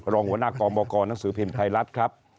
รองหัวหน้ากองบกหนังสือพิมพ์ไทยรัฐครับ